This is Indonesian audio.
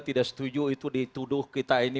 tidak setuju itu dituduh kita ini